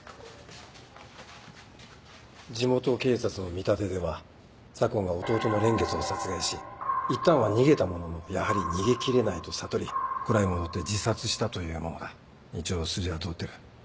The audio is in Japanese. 地元警察の見立てでは左紺が弟の蓮月を殺害しいったんは逃げたもののやはり逃げ切れないと悟り蔵へ戻って自殺したというものだ一応筋は通ってる。